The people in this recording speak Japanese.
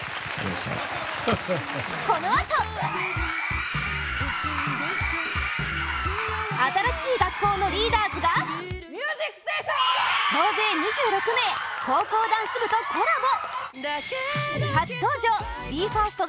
このあと新しい学校のリーダーズが総勢２６名高校ダンス部とコラボ